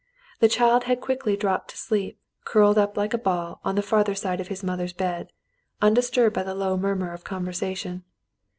The child had quickly dropped to sleep, curled up like a ball in the farther side of his mother's bed, undisturbed by the low murmur of conversation.